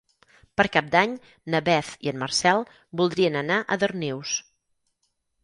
Per Cap d'Any na Beth i en Marcel voldrien anar a Darnius.